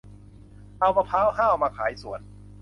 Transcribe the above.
เอามะพร้าวห้าวมาขายสวน